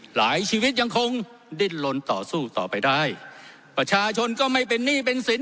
หลายชีวิตยังคงดิ้นลนต่อสู้ต่อไปได้ประชาชนก็ไม่เป็นหนี้เป็นสิน